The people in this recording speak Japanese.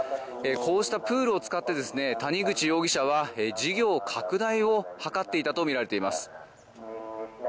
こうしたプールを使って谷口容疑者は事業拡大を図っていたとみられています。